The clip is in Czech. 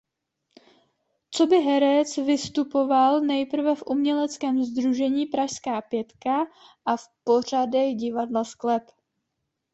Coby herec vystupoval nejprve v uměleckém sdružení Pražská pětka a v pořadech Divadla Sklep.